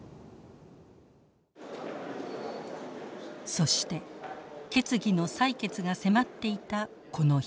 そして決議の採決が迫っていたこの日。